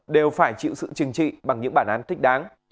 đều phải chịu sự chừng trị bằng những bản án thích đáng